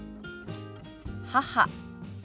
「母」。